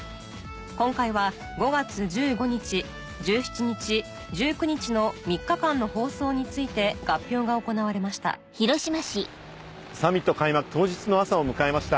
今回は５月１５日１７日１９日の３日間の放送について合評が行われましたサミット開幕当日の朝を迎えました。